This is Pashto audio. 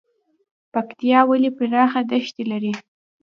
پکتیکا ولې پراخه دښتې لري؟